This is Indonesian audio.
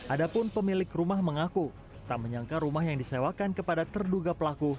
adapun pemilik rumah mengaku tak menyangka rumah yang disewakan kepada terduga pelaku